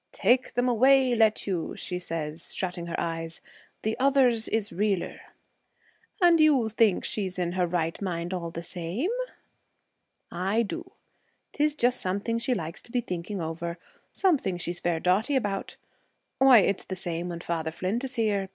"Take them away, let you," says she, shutting her eyes. "The others is realer."' 'And you think she's in her right mind all the same?' 'I do. 'Tis just something she likes to be thinking over something she's fair dotty about. Why, it's the same when Father Flint is here.